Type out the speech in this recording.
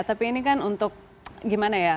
tapi ini kan untuk gimana ya